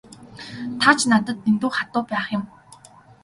Та ч надад дэндүү хатуу байх юм.